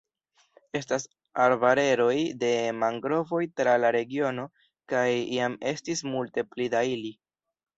Estas arbareroj de mangrovoj tra la regiono kaj iam estis multe pli da ili.